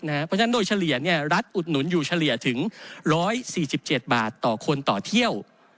เนี่ยรัฐอุดหนุนอยู่เฉลี่ยถึง๑๔๗บาทต่อคนต่อเที่ยว